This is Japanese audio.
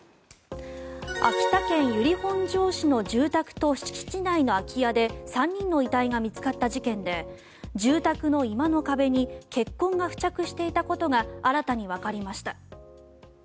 秋田県由利本荘市の住宅と敷地内の空き家で３人の遺体が見つかった事件で住宅の居間の壁に血痕が付着していたことが新たにわかりました。